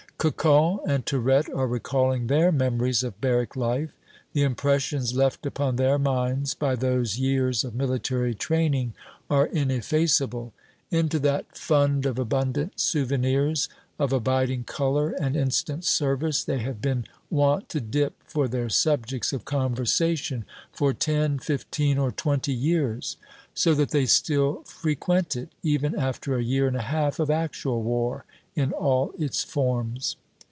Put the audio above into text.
Cocon and Tirette are recalling their memories of barrack life. The impressions left upon their minds by those years of military training are ineffaceable. Into that fund of abundant souvenirs, of abiding color and instant service, they have been wont to dip for their subjects of conversation for ten, fifteen, or twenty years. So that they still frequent it, even after a year and a half of actual war in all its forms.